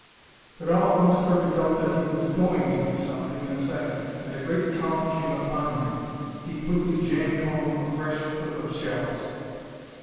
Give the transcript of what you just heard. But all at once Kirby felt that he was going to do something in a second, and a great calm came upon him. He quickly jammed home a fresh clip of shells.